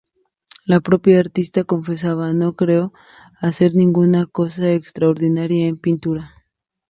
La propia artista confesaba: "No creo hacer ninguna cosa extraordinaria en pintura.